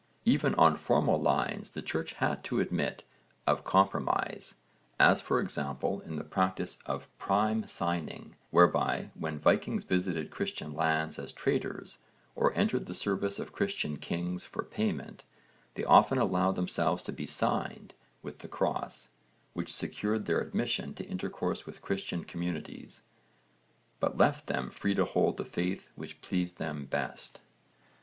Even on formal lines the Church had to admit of compromise, as for example in the practice of prime signing, whereby when Vikings visited Christian lands as traders, or entered the service of Christian kings for payment, they often allowed themselves to be signed with the cross, which secured their admission to intercourse with Christian communities, but left them free to hold the faith which pleased them best.